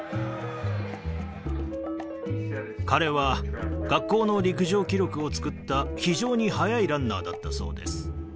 彼は学校の陸上記録を作った、非常に速いランナーだったそうです。